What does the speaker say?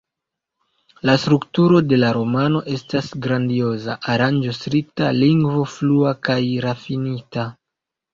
La strukturo de la romano estas grandioza, aranĝo strikta, lingvo flua kaj rafinita.